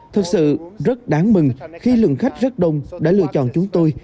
thật sự rất đáng mừng khi lượng khách rất đông đã lựa chọn chúng tôi